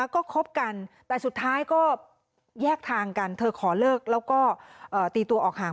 ก็คบกันแต่สุดท้ายก็แยกทางกันเธอขอเลิกแล้วก็ตีตัวออกห่าง